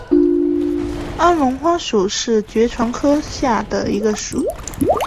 安龙花属是爵床科下的一个属。